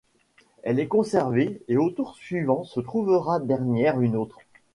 Elle est conservée et au tour suivant se trouvera dernière une autre.